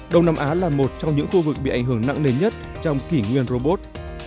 đông nam á là một trong những khu vực bị ảnh hưởng nặng nề nhất trong kỷ nguyên robot